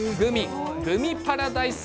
グミパラダイス。